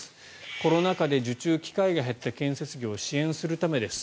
コロナ禍で受注機会が減った建設業を支援するためです。